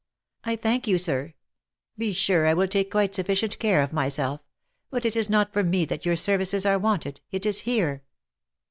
" I thank you, sir. Be sure I will take quite sufficient care of myself; but it is not for me that your services are wanted — it is here!"